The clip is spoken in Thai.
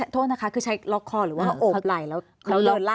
โทษนะคะคือใช้ล็อกคอหรือว่าโอบไหล่แล้วเดินลั